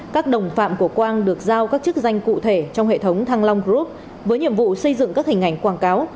các đồng phạm của quang được giao các chức danh cụ thể trong hệ thống thăng long group với nhiệm vụ xây dựng các hình ảnh quảng cáo